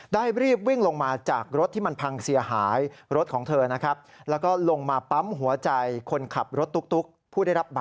รีบวิ่งลงมาจากรถที่มันพังเสียหายรถของเธอนะครับ